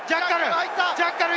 ジャッカル！